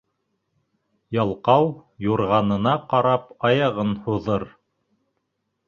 Ялҡау юрғанына ҡарап аяғын һуҙыр.